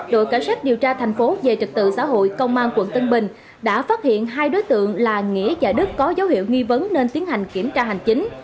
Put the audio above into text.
đội cảnh sát điều tra thành phố về trực tự xã hội công an quận tân bình đã phát hiện hai đối tượng là nghĩa và đức có dấu hiệu nghi vấn nên tiến hành kiểm tra hành chính